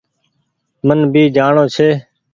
من ڀي جآڻو ڇي۔